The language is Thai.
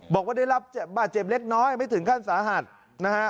บอกว่าได้รับบาดเจ็บเล็กน้อยไม่ถึงขั้นสาหัสนะฮะ